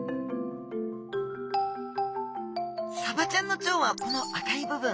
サバちゃんの腸はこの赤い部分。